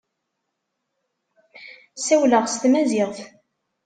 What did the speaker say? Ssawleɣ s tmaziɣt.